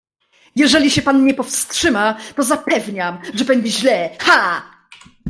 "Jeżeli się pan nie powstrzyma, to zapewniam, że będzie źle... Ha!"